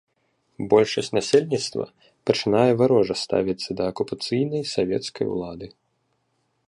Большасць насельніцтва пачынае варожа ставіцца да акупацыйнай савецкай улады.